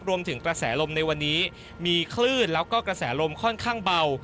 รวมถึงกระแสลมในวันนี้มีคลื่นแล้วก็กระแสลมค่อนข้างเบา